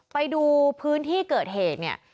ไปดูพื้นที่เกิดเหตุเนี่ย